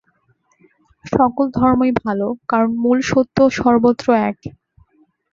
সকল ধর্মই ভাল, কারণ মূল সত্য সর্বত্র এক।